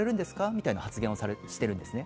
みたいな発言をしてるんですね。